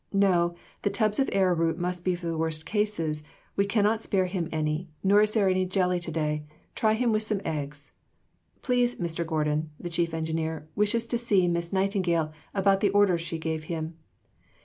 "No; the tubs of arrowroot must be for the worst cases; we cannot spare him any, nor is there any jelly to day; try him with some eggs." "Please, Mr. Gordon [the Chief Engineer] wishes to see Miss Nightingale about the orders she gave him."